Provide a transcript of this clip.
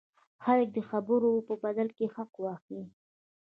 خلک دې د خبرو په بدل کې حق واخلي.